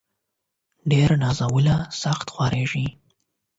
ډير نازولي ، سخت خوارېږي.